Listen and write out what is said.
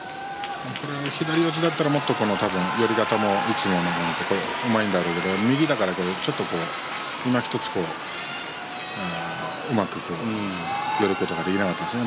左四つだったら、もっと寄り方もうまいんだろうと思うんですが右四つですから、いまひとつうまく寄ることができなかったですね